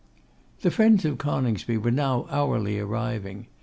The friends of Coningsby were now hourly arriving.